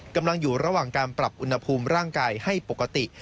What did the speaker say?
กำลังอยู่ระหว่างการปรับอุณหภูมิร่างกายให้ปกติ